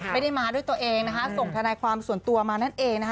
ไม่ได้มาด้วยตัวเองนะคะส่งทนายความส่วนตัวมานั่นเองนะคะ